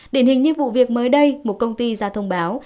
để hình nhiệm vụ việc mới đây một công ty ra thông báo